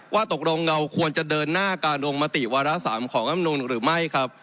ว่าตกลงเราควรจะเดินหน้าการลงมติวาระ๓ของอำนูนหรือไม่ครับ